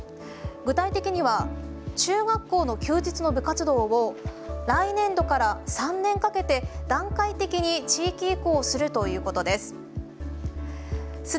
具体的には中学校の休日の部活動を来年度から３年かけて段階的に地域移行するということです。